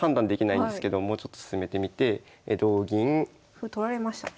歩取られましたね。